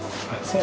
はい。